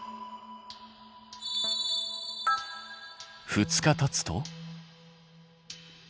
２日たつと？